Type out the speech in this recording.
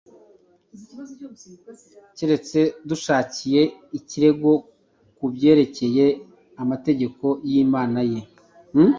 keretse dushakiye ikirego ku byerekeye amategeko y’Imana ye.